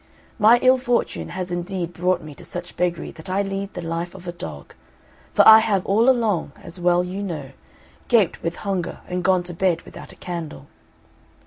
My ill fortune has indeed brought me to such beggary that I lead the life of a dog, for I have all along, as well you know, gaped with hunger and gone to bed without a candle.